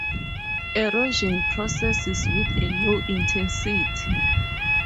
Erosion processes with a low intensity.